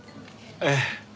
ええ。